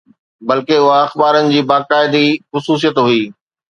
بلڪه اها اخبارن جي باقاعدي خصوصيت هئي.